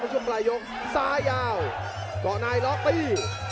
ในช่วงปลายยกซ้ายาวก็นายล๊อคตี